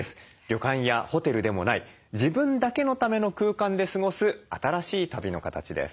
旅館やホテルでもない自分だけのための空間で過ごす新しい旅の形です。